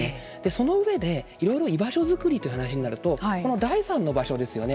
その上でいろいろ居場所づくりという話になるとこの第３の居場所ですよね。